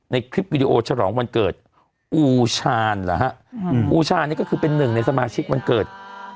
คลิปวิดีโอฉลองวันเกิดอูชาญเหรอฮะอูชานี่ก็คือเป็นหนึ่งในสมาชิกวันเกิด